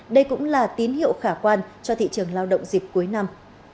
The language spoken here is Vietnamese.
đây cũng là tín hiệu khả quan cho thị trường lao động dịp cuối năm